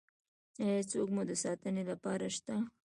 ایا څوک مو د ساتنې لپاره شته؟